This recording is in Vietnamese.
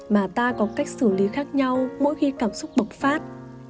mà ta có cách xử lý khác nhau mỗi khi cảm xúc bộc phát